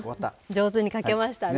上手に描けましたね。